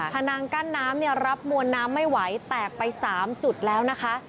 นังกั้นน้ำเนี่ยรับมวลน้ำไม่ไหวแตกไป๓จุดแล้วนะคะ